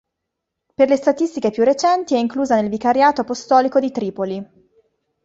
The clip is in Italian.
Per le statistiche più recenti è inclusa nel vicariato apostolico di Tripoli.